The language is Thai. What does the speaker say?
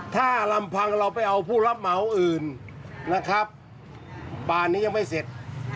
ถ้าลำพังเราไปเอาผู้รับเหมาอื่นนะครับป่านนี้ยังไม่เสร็จ